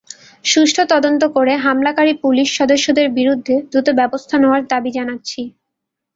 সুষ্ঠু তদন্ত করে হামলাকারী পুলিশ সদস্যদের বিরুদ্ধে দ্রুত ব্যবস্থা নেওয়ার দাবি জানাচ্ছি।